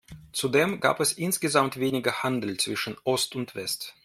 Zudem gab es insgesamt weniger Handel zwischen Ost und West.